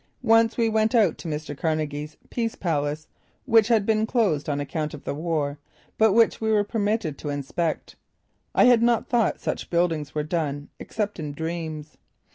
Once we went out to Mr. Carnegie's Peace Palace which had been closed on account of the war but which we were permitted to inspect. I had not thought such buildings were done, except in dreams.